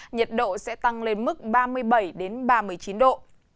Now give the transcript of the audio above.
nhiệt độ sẽ tăng lên mức ba mươi bảy ba mươi chín độ